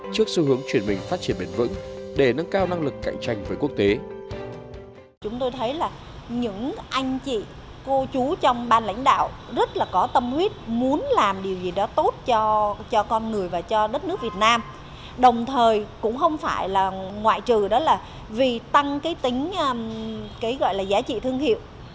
trước xu hướng chuyển mình phát triển bền vững để nâng cao năng lực cạnh tranh với quốc tế